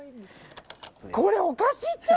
これ、おかしいって！